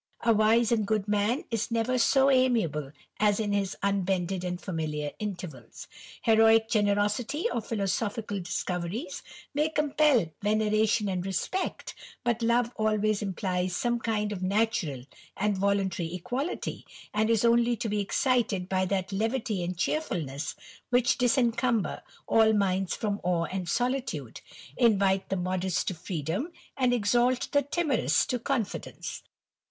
A wise and good man is never so amiable as in his unbended and familiar intervals. Heroick generosity, or philosophical discoveries, may compel veneration and respect, but love always implies some kind of natural or voluntary equality, and is only to be excited by that levity and cheerfulness which disencumber all minds from awe and solitude, invite the modest to freedom, and exalt the timorous to confidence.